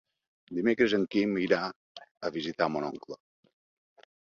Dimecres en Quim irà a visitar mon oncle.